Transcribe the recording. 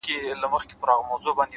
څه پوښتې چي شعر څه شاعري څنگه!!